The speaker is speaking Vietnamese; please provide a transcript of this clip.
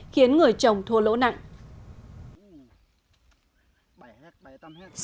khiến người trồng thua lỗ nặng